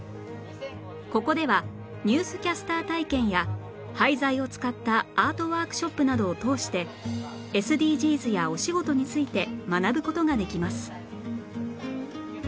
ここではニュースキャスター体験や廃材を使ったアートワークショップなどを通して ＳＤＧｓ やお仕事について学ぶ事ができます